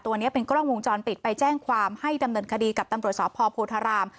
ตัวนี้เป็นกล้องวงจรปิดไปแจ้งความให้ดำเนินคดีกับตำรวจสพโพธาราม